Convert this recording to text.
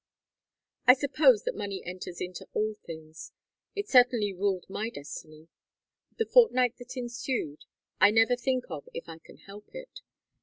"I suppose that money enters into all things. It certainly ruled my destiny. The fortnight that ensued I never think of if I can help it.